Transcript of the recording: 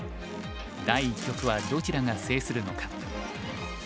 第一局はどちらが制するのか。